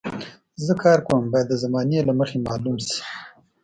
زه کار کوم باید د زمانې له مخې معلوم شي.